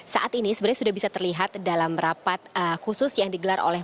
saat ini sebenarnya sudah bisa terlihat dalam rapat khusus yang digelar oleh